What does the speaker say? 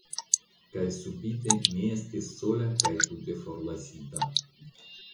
Nun subite mi estis sola kaj tute forlasita.